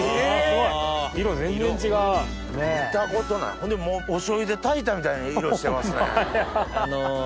ほんでお醤油で炊いたみたいな色してますね。